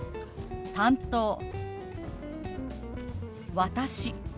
「私」。